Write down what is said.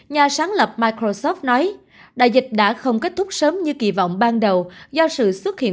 nhà sáng lập microsoft nói đại dịch đã không kết thúc sớm như kỳ vọng ban đầu do sự xuất hiện